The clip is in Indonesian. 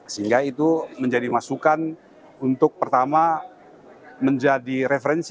sehingga itu menjadi masukan untuk pertama menjadi referensi